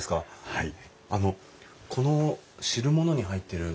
はい。